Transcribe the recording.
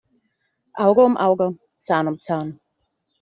Auge um Auge, Zahn um Zahn.